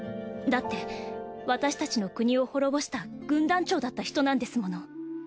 だって私たちの国を滅ぼした軍団長だった人なんですもの。